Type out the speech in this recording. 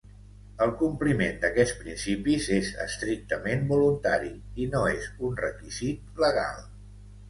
El compliment d'aquests principis és estrictament voluntari i no és un requisit legal.